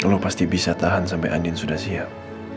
solo pasti bisa tahan sampai andin sudah siap